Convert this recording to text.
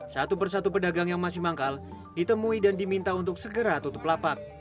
satu persatu pedagang yang masih manggal ditemui dan diminta untuk segera tutup lapak